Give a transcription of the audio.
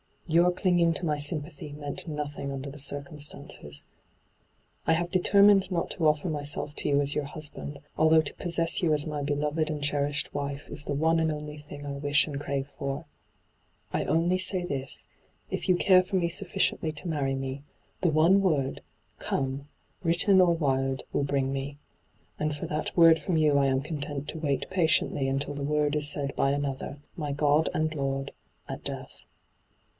Your clinging to my sympathy meant nothing under the eircumstenoea I have determined not to offer myself to you as your husband, although to possess you as my beloved and cherished wife is the one and only thing I wish and crave for. I only say this : If you care for me suiSciently to marry me, the one word " Come," written or wired, will bring me ; and for that word from you I am content to wait patiently until the word is said by Another, my Qod and Lord, at death.